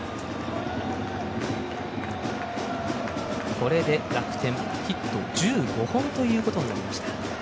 これで楽天、ヒット１５本ということになりました。